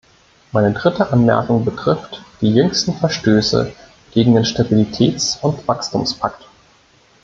Meine dritte Anmerkung betrifft die jüngsten Verstöße gegen den Stabilitätsund Wachstumspakt.